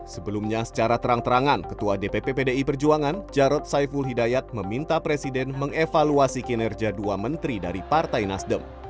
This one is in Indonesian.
sebelumnya secara terang terangan ketua dpp pdi perjuangan jarod saiful hidayat meminta presiden mengevaluasi kinerja dua menteri dari partai nasdem